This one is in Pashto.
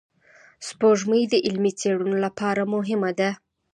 سپوږمۍ د علمي څېړنو لپاره مهمه ده